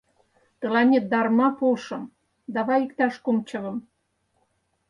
Тыланет дарма пуышым, давай иктаж кум чывым.